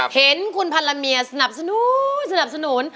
เห็นคุณพาลเมียสนับสนุน